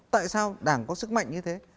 tại sao đảng có sức mạnh như thế